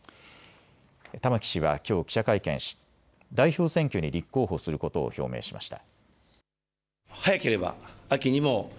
玉木氏はきょう記者会見し代表選挙に立候補することを表明しました。